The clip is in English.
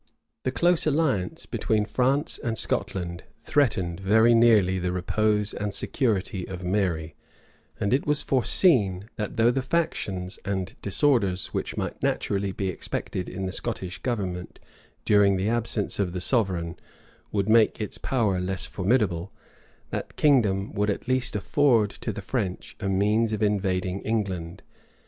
The close alliance between France and Scotland threatened very nearly the repose and security of Mary; and it was foreseen, that though the factions and disorders which might naturally be expected in the Scottish government during the absence of the sovereign, would make its power less formidable, that kingdom would at least afford to the French a means of invading England.